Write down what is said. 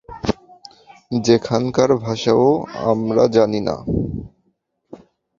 যেখানকার ভাষাও আমরা জানি না।